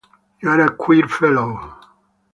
You’re a queer fellow.